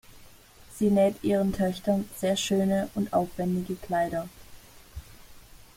Sie näht ihren Töchtern sehr schöne und aufwendige Kleider.